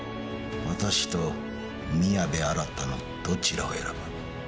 私と宮部新のどちらを選ぶ？